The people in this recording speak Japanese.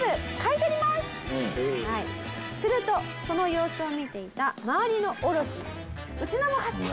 するとその様子を見ていた周りの卸も「うちのも買って！」